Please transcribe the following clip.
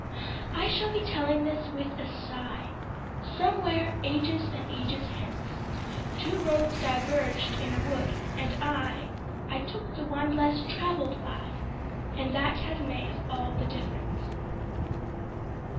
I shall be telling this with a sighSomewhere ages and ages hence:Two roads diverged in a wood, and I—I took the one less traveled by, And that has made all the difference.